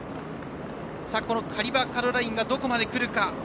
カリバ・カロラインがどこまで来るか。